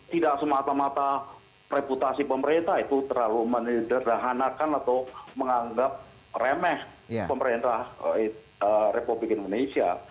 tidak semata mata reputasi pemerintah itu terlalu menyederhanakan atau menganggap remeh pemerintah republik indonesia